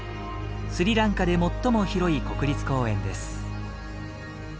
スリランカで最も広い国立公園です。